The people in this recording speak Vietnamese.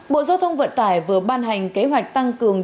bộ giao thông vận tải vừa ban hành kế hoạch tăng cường